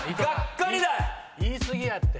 ⁉言い過ぎやって。